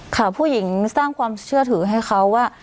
ค่ะผู้หญิงสร้างความเชื่อถือให้เขาว่า